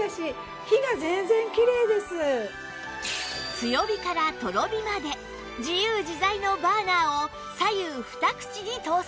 強火からとろ火まで自由自在のバーナーを左右２口に搭載